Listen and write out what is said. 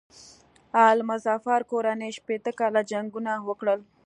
آل مظفر کورنۍ شپېته کاله جنګونه وکړل.